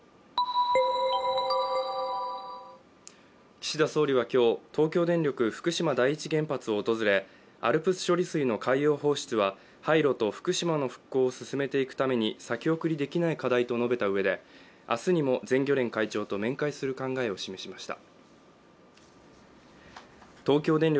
岸田総理は今日、東京電力・福島第一原発を訪れＡＬＰＳ処理水の海洋放出は、廃炉と福島の復興を進めていくために先送りできない課題と述べたうえで明日にも全漁連会長と面会する考えを示しました。